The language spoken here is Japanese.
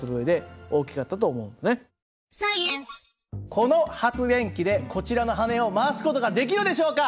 この発電機でこちらの羽根を回す事ができるでしょうか？